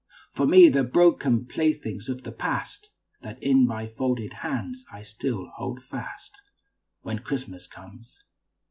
For me, the broken playthings of the past That in my folded hands I still hold fast, When Christmas comes.